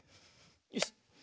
よし。